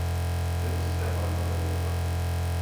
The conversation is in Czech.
Tento systém ale měl řadu nedostatků.